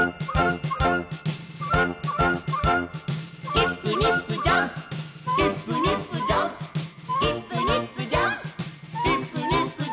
「イップニップジャンプイップニップジャンプ」「イップニップジャンプイップニップジャンプ」